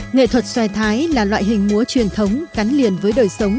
nghệ thuật xoay thái là loại hình múa truyền thống cắn liền với đời sống